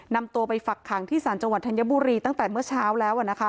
นำตัวไปฝักขังที่ศาลจังหวัดธัญบุรีตั้งแต่เมื่อเช้าแล้ว